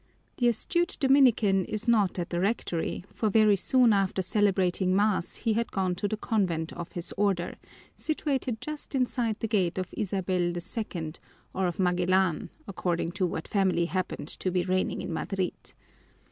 The astute Dominican is not at the rectory, for very soon after celebrating mass he had gone to the convent of his order, situated just inside the gate of Isabel II, or of Magellan, according to what family happened to be reigning in Madrid.